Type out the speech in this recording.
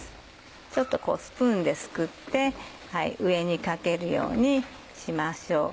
ちょっとスプーンですくって上にかけるようにしましょう。